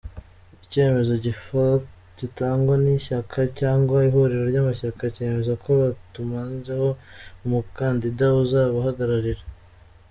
Icyemezo gitangwa n’ishyaka cyangwa ihuriro ry’amashyaka cyemeza ko bamutanzeho umukandida uzabahagararira.